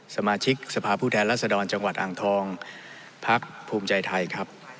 สมาชิกสภาพผู้แทนรัศดรจังหวัดอ่างทองพักภูมิใจไทยครับ